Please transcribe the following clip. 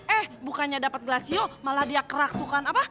eh bukannya dapet glassio malah dia keraksukan apa